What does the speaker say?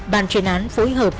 bàn truyền án phối hợp